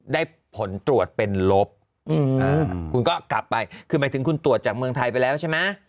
ผลตรวจเป็นลบคุณก็กลับไปคือหมายถึงคุณตรวจจากเมืองไทยไปแล้วใช่ไหม